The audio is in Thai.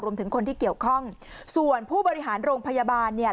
รวมถึงคนที่เกี่ยวข้องส่วนผู้บริหารโรงพยาบาลเนี่ย